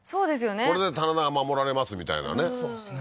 これで棚田が守られますみたいなねそうですね